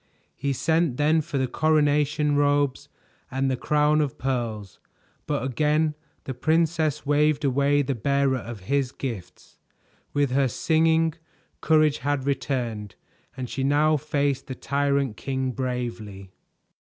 He sent then for the coronation robes and the crown of pearls, but again the princess waved away the bearer of his gifts. With her singing, courage had returned, and she now faced the tyrant king bravely.